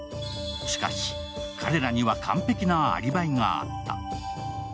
しかし、彼らには完璧なアリバイがあった。